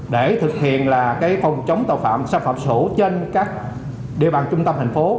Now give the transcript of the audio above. để thực hiện là cái phòng chống tàu phạm xâm phạm xổ trên các địa bàn trung tâm thành phố